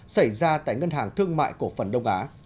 xảy ra tại ngân hàng thương mại cổ phần đông á